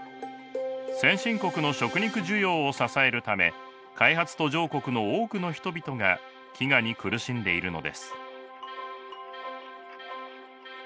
先進国の食肉需要を支えるため開発途上国の多くの人々が飢餓に苦しんでいるのです。